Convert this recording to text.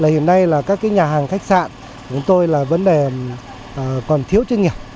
hiện nay là các nhà hàng khách sạn của chúng tôi là vấn đề còn thiếu chuyên nghiệp